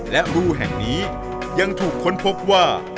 และรูแห่งนี้ยังถูกค้นพบว่า